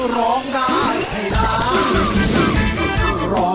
ร้องได้ให้ร้าน